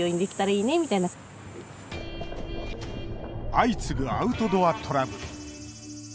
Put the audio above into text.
相次ぐ、アウトドアトラブル。